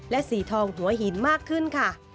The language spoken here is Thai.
และสีทองหัวหินมากขึ้นค่ะ